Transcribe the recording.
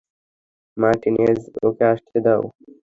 Martinez, ওকে আসতে দাও।